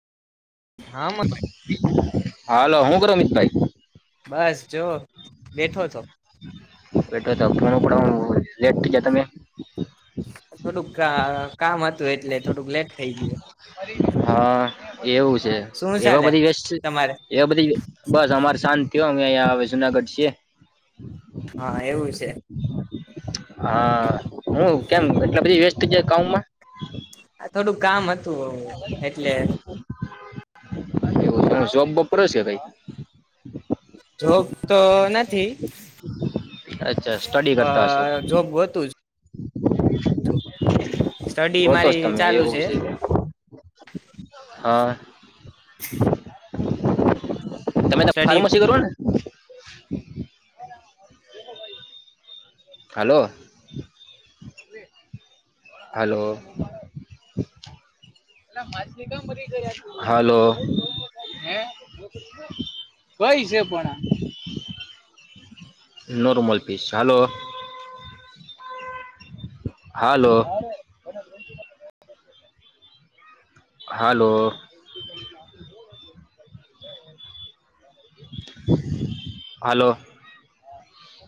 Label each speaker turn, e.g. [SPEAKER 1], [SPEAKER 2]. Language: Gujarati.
[SPEAKER 1] હા મા
[SPEAKER 2] હાલો હું કરો અમિતભાઈ?
[SPEAKER 1] બસ જો બેઠો છું.
[SPEAKER 2] બેઠો તો [unintelligible] લેટ થઈ ગયા તમે.
[SPEAKER 1] થોડુંક કા કામ હતું એટલે થોડુંક લેટ થઈ ગયું.
[SPEAKER 2] હા એવું છે
[SPEAKER 1] શું
[SPEAKER 2] એવા
[SPEAKER 1] ચાલે
[SPEAKER 2] બધી વેસ્ટ
[SPEAKER 1] તમારે
[SPEAKER 2] એ બધી બસ અમારે શાંત થયો અમે અહિયા આવે જુનાગઢ છીએ.
[SPEAKER 1] હા એવું છે.
[SPEAKER 2] હા હું કેમ એટલે બધી વ્યસ્ત છે કાઉમાં?
[SPEAKER 1] આ થોડું કામ હતું હું એટલે
[SPEAKER 2] એવું તો જોબમાં કરો છે ભાઈ
[SPEAKER 1] જોબ તો નથી.
[SPEAKER 2] અચ્છા સ્ટડી કરતા હશો
[SPEAKER 1] હા જોબ ગોતું છું. સ્ટડી
[SPEAKER 2] ગોતો છો
[SPEAKER 1] મારી
[SPEAKER 2] તમે
[SPEAKER 1] ચાલુ
[SPEAKER 2] એવું
[SPEAKER 1] છે.
[SPEAKER 2] હા તમે તો
[SPEAKER 1] સ્ટડી
[SPEAKER 2] ફાર્મસી કરો ને? હલો હલો હલો કય છે પણ આ normal piece hello hello hello હાલો